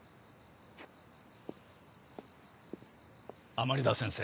甘利田先生。